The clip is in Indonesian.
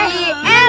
eh lucu banget